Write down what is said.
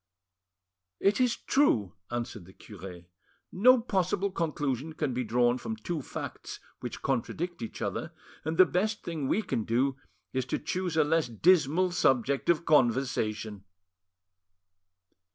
"It is true," answered the cure, "no possible conclusion can be drawn from two facts which contradict each other, and the best thing we can do is to choose a less dismal subject of conversation."